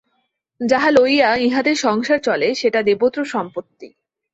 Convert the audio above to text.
যাহা লইয়া ইঁহাদের সংসার চলে সেটা দেবত্র সম্পত্তি।